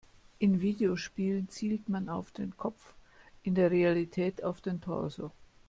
In Videospielen zielt man auf den Kopf, in der Realität auf den Torso.